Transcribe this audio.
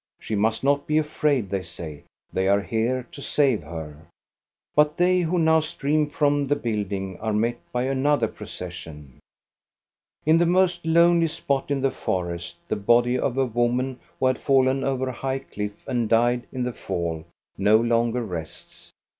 She must not be afraid, they say. They are here to save her. But they who now stream from the building are met by another procession. In the most lonely spot in the forest the body of a woman, who had fallen over a high cliff and died in the fall, no longer rests.